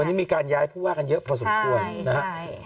วันนี้มีการย้ายผู้ว่ากันเยอะพอสมควรนะครับ